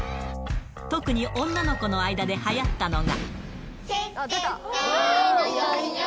特に女の子の間ではやったのが。